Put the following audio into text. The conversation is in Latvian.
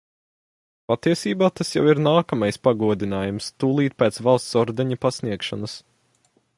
Patiesībā tas jau ir nākamais pagodinājums tūlīt pēc valsts ordeņa pasniegšanas.